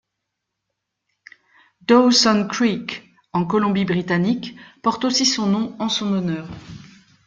Dawson Creek, en Colombie-Britannique, porte aussi son nom en son honneur.